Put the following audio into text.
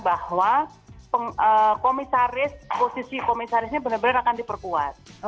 bahwa komisaris posisi komisarisnya benar benar akan diperkuat